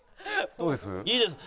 どうです？